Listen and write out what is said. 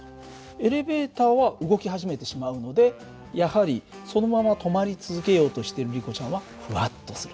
エレベーターは動き始めてしまうのでやはりそのまま止まり続けようとしてるリコちゃんはふわっとする。